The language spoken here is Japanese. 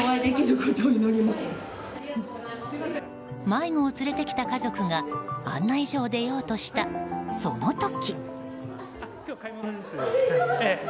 迷子を連れてきた家族が案内所を出ようとしたその時。